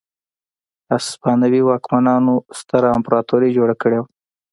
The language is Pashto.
هسپانوي واکمنانو ستره امپراتوري جوړه کړې وه.